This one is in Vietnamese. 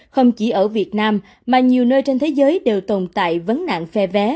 không chỉ ở việt nam mà nhiều nơi trên thế giới đều tồn tại vấn nạn phe vé